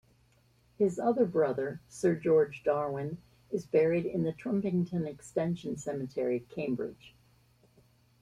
His other brother Sir George Darwin is buried in the Trumpington Extension Cemetery, Cambridge.